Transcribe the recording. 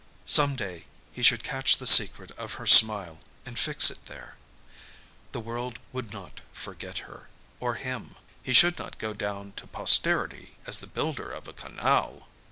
Some day he should catch the secret of her smile and fix it there. The world would not forget her or him. He should not go down to posterity as the builder of a canal!